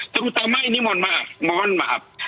terutama ini mohon maaf